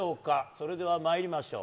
それでは参りましょう。